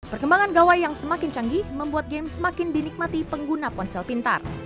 perkembangan gawai yang semakin canggih membuat game semakin dinikmati pengguna ponsel pintar